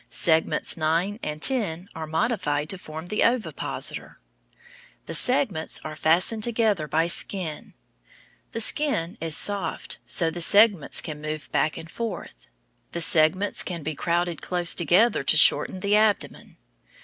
Segments nine and ten are modified to form the ovipositor. The segments are fastened together by skin. The skin is soft so the segments can move back and forth. The segments can be crowded close together to shorten the abdomen.